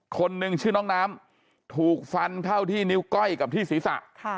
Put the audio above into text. คนหนึ่งชื่อน้องน้ำถูกฟันเข้าที่นิ้วก้อยกับที่ศีรษะ